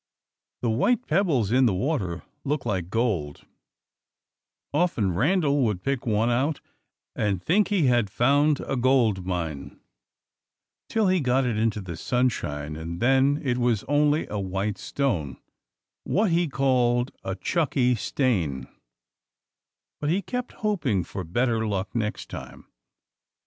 The white pebbles in the water look like gold: often Randal would pick one out and think he had found a gold mine, till he got it into the sunshine, and then it was only a white stone, what he called a "chucky stane;" but he kept hoping for better luck next time.